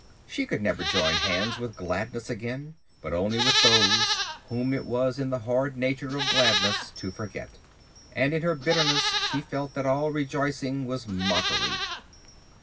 She could never join hands with gladness again, but only with those whom it was in the hard nature of gladness to forget. And in her bitterness she felt that all rejoicing was mockery.